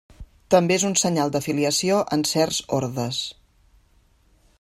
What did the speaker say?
També és un senyal d'afiliació en certs ordes.